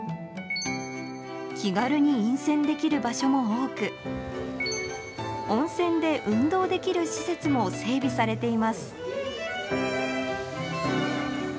気軽に飲泉できる場所も多く温泉で運動できる施設も整備されています